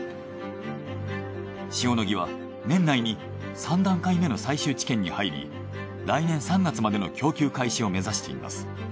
塩野義は年内に３段階目の最終治験に入り来年３月までの供給開始を目指しています。